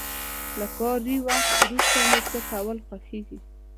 له کاري وخت وروسته مې څه کول خوښيږي؟